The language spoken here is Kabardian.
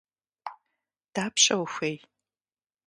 Дапщэ ухуей?